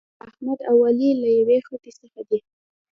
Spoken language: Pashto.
احمد او علي له یوې خټې څخه دي.